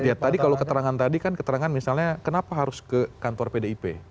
ya tadi kalau keterangan tadi kan keterangan misalnya kenapa harus ke kantor pdip